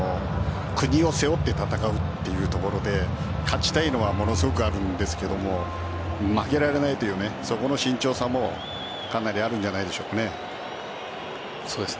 国を背負って戦うというところで勝ちたいのはものすごくあるんですけど負けられないというそこの慎重さもかなりあるんじゃないでしょうか。